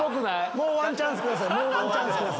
もうワンチャンスください。